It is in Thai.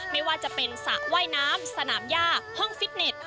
ไม่ว่าจะเป็นสระว่ายน้ำสนามย่าห้องฟิตเน็ต